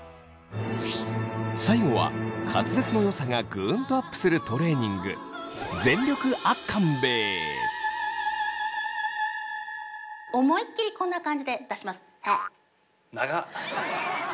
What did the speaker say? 最後は滑舌の良さがグンとアップするトレーニング思いっきりこんな感じで出します。